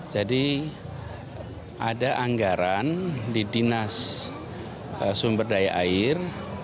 jadi ada anggaran di dinas sumberdaya air